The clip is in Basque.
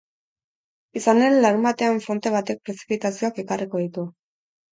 Izan ere, larunbatean fronte batek prezipitazioak ekarriko ditu.